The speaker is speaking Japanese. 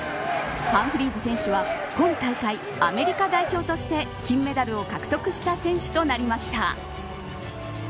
ハンフリーズ選手は、今大会アメリカ代表として金メダルを獲得した選手となりました。